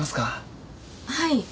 はい。